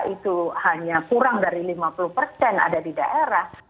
itu hanya kurang dari lima puluh persen ada di daerah